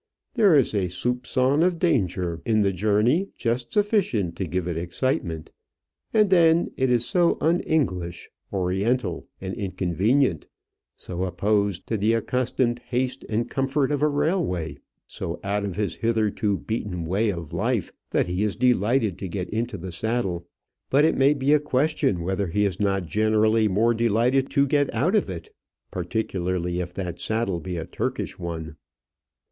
There is a soupçon of danger in the journey just sufficient to give it excitement; and then it is so un English, oriental, and inconvenient; so opposed to the accustomed haste and comfort of a railway; so out of his hitherto beaten way of life, that he is delighted to get into the saddle. But it may be a question whether he is not generally more delighted to get out of it; particularly if that saddle be a Turkish one.